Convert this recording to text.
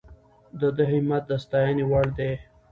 د ده همت د ستاینې وړ دی.